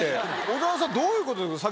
小澤さんどういうことですか？